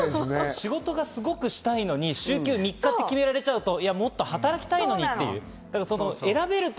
仕事がもっとしたいのに週休３日って決められちゃうと、もっと働きたいのにって。